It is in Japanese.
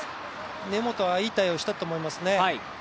根本はいい対応をしたと思いますね。